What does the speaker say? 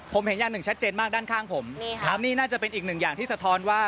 ผมเห็นอย่างหนึ่งชัดเจนมากด้านข้างผมนี่น่าจะเป็นอีกหนึ่งอย่างที่สะท้อนว่า